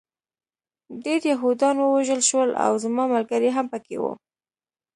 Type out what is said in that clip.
ډېر یهودان ووژل شول او زما ملګري هم پکې وو